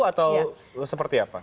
atau seperti apa